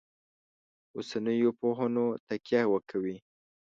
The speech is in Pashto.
اوسنیو پوهنو تکیه وکوي.